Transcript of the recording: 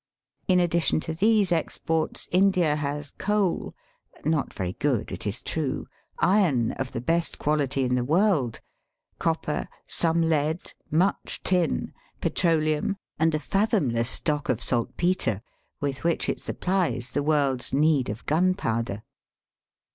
In addi tion to these exports, India has coal, not very good it is true ; iron, of the best quality in the world; copper, some lead, much tin, petroleum^ and a fathomless stock of saltpetre, with which it supplies the world's need of gunpowder.